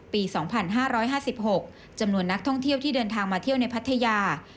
ปี๒๕๕๖จำนวนนักท่องเที่ยวที่เดินทางมาเที่ยวในพัทยา